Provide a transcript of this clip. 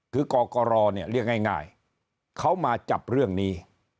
คือกรกรเนี่ยเรียกง่ายเขามาจับเรื่องนี้